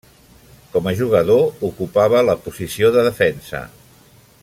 Com a jugador ocupava la posició de defensa.